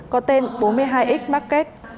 có tên bốn mươi hai x market